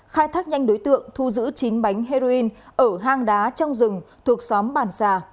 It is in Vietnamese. khai thác nhanh đối tượng thu giữ chín bánh heroin ở hang đá trong rừng thuộc xóm bản xà